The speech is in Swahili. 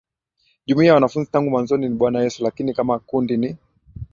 jumuiya ya wanafunzi tangu mwanzo ni Bwana Yesu Lakini kama kundi ni